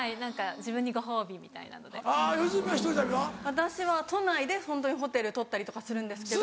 私は都内でホントにホテル取ったりとかするんですけど。